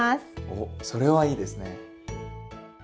おっそれはいいですね。